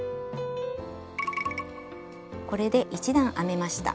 これで１段編めました。